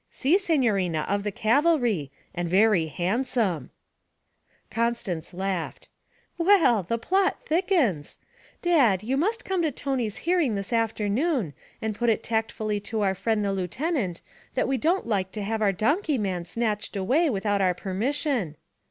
'Si, signorina, of the cavalry and very handsome.' Constance laughed. 'Well, the plot thickens! Dad, you must come to Tony's hearing this afternoon, and put it tactfully to our friend the lieutenant that we don't like to have our donkey man snatched away without our permission.'